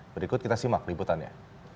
berikut kita simak liputannya